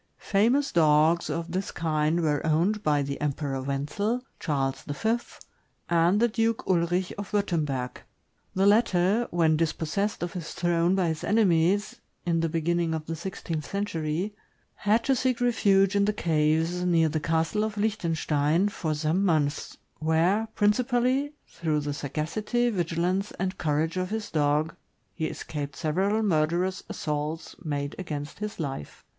Famous dogs of this kind were owned by the Emperor Wenzel, Charles V., and the Duke Ulrich of Wurtemberg. The latter, when dispossessed of his throne by his enemies, in the beginning of the sixteenth century, had to seek refuge in the caves, near the Castle of Lichtenstein, for some months, where, principally through the sagacity, vigilance, and courage of his dog, he escaped several murderous assaults made against his life.